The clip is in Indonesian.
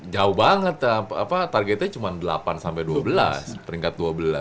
jauh banget targetnya cuma delapan sampai dua belas peringkat dua belas